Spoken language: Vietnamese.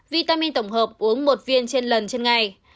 vitamin tổng hợp uống một viên trên lần trên ngày